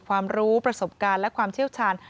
รู้ประสบการณ์และความเชี่ยวชาญ